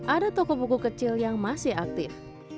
ada toko buku kecil yang masih aktif